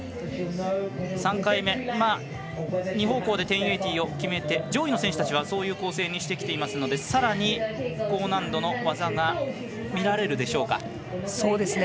３回目、２方向で１０８０を決めて上位の選手たちはそういう構成にしてきていますのでさらに高難度の技が見られるでしょうか。